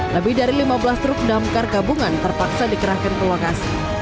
lebih dari lima belas truk damkar gabungan terpaksa dikerahkan ke lokasi